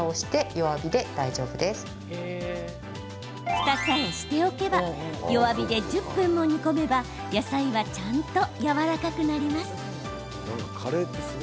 ふたさえしておけば弱火で１０分も煮込めば、野菜はちゃんとやわらかくなります。